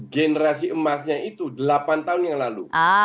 generasi emasnya itu delapan tahun yang lalu